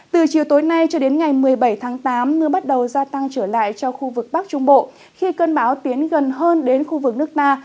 từ chiều tối nay cho đến ngày một mươi bảy tháng tám mưa bắt đầu gia tăng trở lại cho khu vực bắc trung bộ khi cơn bão tiến gần hơn đến khu vực nước ta